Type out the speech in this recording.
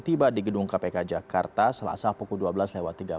tiba di gedung kpk jakarta selasa pukul dua belas tiga puluh